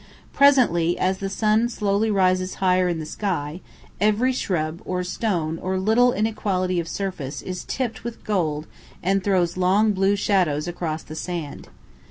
Presently, as the sun slowly rises higher in the sky, every shrub or stone or little inequality of surface is tipped with gold and throws long blue shadows across the sand.